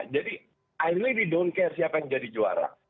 jadi i really don't care siapa yang jadi juara